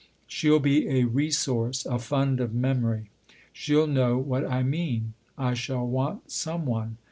" She'll be a resource a fund of memory. She'll know what I mean I shall want some one.